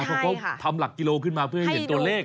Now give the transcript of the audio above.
เพราะเขาทำหลักกิโลขึ้นมาเพื่อให้เห็นตัวเลข